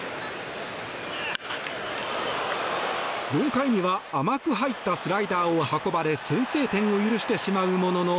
４回には甘く入ったスライダーを運ばれ先制点を許してしまうものの。